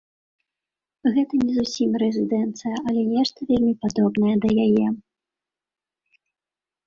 Гэта не зусім рэзідэнцыя, але нешта вельмі падобнае да яе.